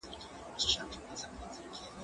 زه پرون نان خورم